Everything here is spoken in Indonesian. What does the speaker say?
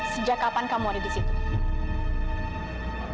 sejak kapan kamu ada disitu